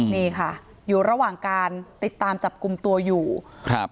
นี่ค่ะอยู่ระหว่างการติดตามจับกลุ่มตัวอยู่ครับ